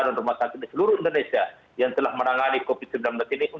dan rumah sakit di seluruh indonesia yang telah menangani covid sembilan belas ini